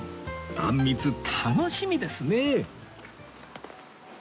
あんみつ楽しみですねえ